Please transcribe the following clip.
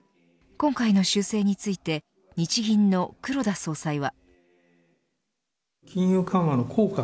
今回の修正について日銀の黒田総裁は。